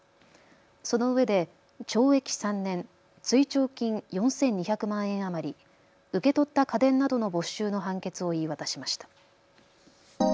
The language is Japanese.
そのうえで懲役３年、追徴金４２００万円余り、受け取った家電などの没収の判決を言い渡しました。